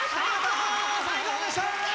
最高でした！